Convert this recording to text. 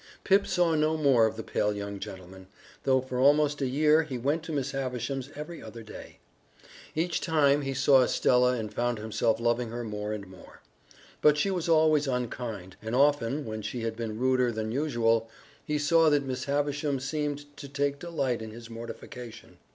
Pip saw no more of the pale young gentleman, though for almost a year he went to Miss Havisham's every other day. Each time he saw Estella and found himself loving her more and more. But she was always unkind, and often, when she had been ruder than usual, he saw that Miss Havisham seemed to take delight in his mortification.